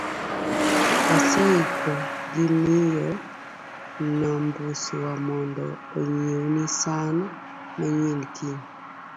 aseiko gi miyo Nambuswa mondo onyiewni san manyien kiny